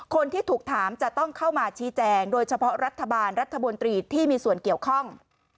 คนที่ถูกถามจะต้องเข้ามาชี้แจงโดยเฉพาะรัฐบาลรัฐบนตรีที่มีส่วนเกี่ยวข้อง